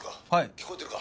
「聞こえてるか？」